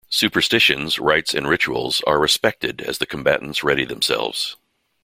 Superstitions, rites and rituals are respected as the combatants ready themselves.